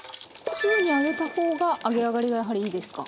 すぐに揚げた方が揚げ上がりがやはりいいですか？